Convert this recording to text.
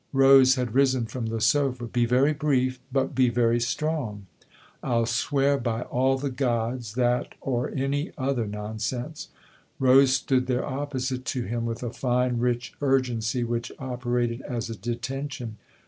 Rose had risen from the sofa. " Be very brief but be very strong." " I'll swear by all the gods that or any other nonsense." Rose stood there opposite to him with a fine, rich urgency which operated as a detention.